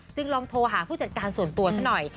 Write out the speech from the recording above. ลองโทรหาผู้จัดการส่วนตัวซะหน่อย